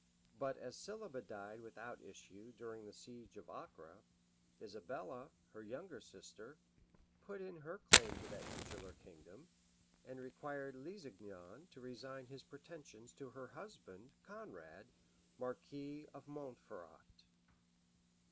[*] But as Sibylla died without issue during the siege of Acre, Isabella, her younger sister, put in her claim to that titular kingdom, and required Lusignan to resign his pretensions to her husband, Conrade, marquis of Montferrat.